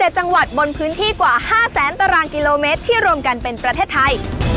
๗จังหวัดบนพื้นที่กว่า๕แสนตารางกิโลเมตรที่รวมกันเป็นประเทศไทย